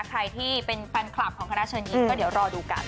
ใครที่เป็นแฟนคลับของคณะเชิญยิ้มก็เดี๋ยวรอดูกัน